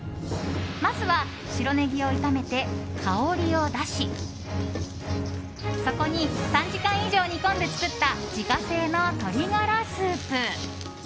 まずは白ネギを炒めて香りを出しそこに３時間以上煮込んで作った自家製の鶏ガラスープ。